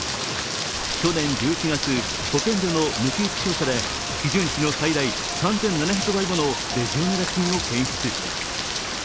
去年１１月、保健所の抜き打ち調査で基準値の最大３７００倍ものレジオネラ菌を検出。